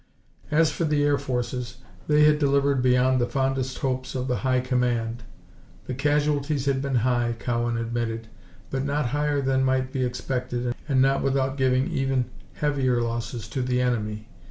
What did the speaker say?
As for the air forces, they had delivered beyond the fondest hopes of the high command. The casualties had been high, Cowan admitted, but not higher than might be expected and not without giving even heavier losses to the enemy.